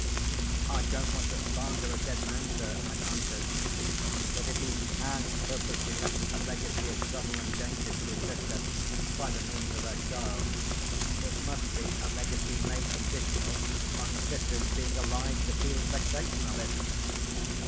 "I don't want to slander a dead man, sir," I answered. "But if he has purposely left a legacy of trouble and danger to his sister, by the means of her child, it must be a legacy made conditional on his sister's being alive to feel the vexation of it."